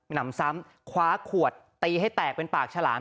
หนำซ้ำคว้าขวดตีให้แตกเป็นปากฉลาม